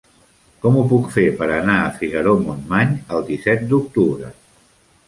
Com ho puc fer per anar a Figaró-Montmany el disset d'octubre?